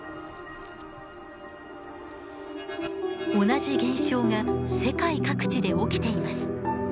同じ現象が世界各地で起きています。